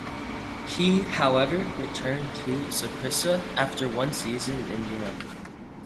He however returned to Saprissa after one season in Europe.